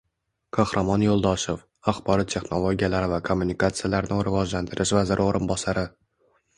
Qahramon Yo'ldoshev, Axborot texnologiyalari va kommunikatsiyalarini rivojlantirish vaziri Orinbosari